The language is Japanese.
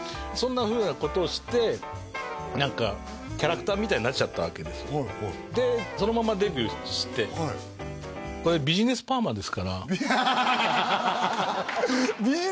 そんなふうなことして何かキャラクターみたいになっちゃったわけですでそのままデビューしてこれハハハハビジネスパーマ？